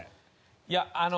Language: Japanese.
いやあの。